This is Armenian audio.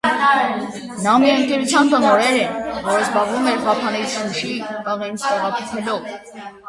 Նա մի ընկերակցության տնօրեն էր, որը զբաղվում էր Ղափանից Շուշի պղինձ տեղափոխելով։